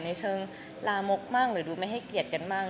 ในเชิงลามกบ้างหรือดูไม่ให้เกียรติกันบ้าง